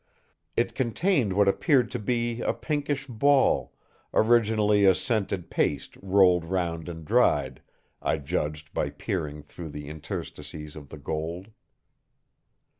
It contained what appeared to be a pinkish ball; originally a scented paste rolled round and dried, I judged by peering through the interstices of the gold.